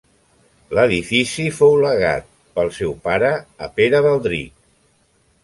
L'edifici fou legat, pel seu pare, a Pere Baldric.